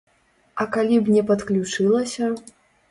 А калі б не падключылася?